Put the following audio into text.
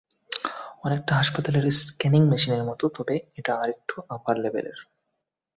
অনেকটা হাসপাতালের স্ক্যানিং মেশিনের মতো, তবে এটা আরেকটু আপার লেভেলের!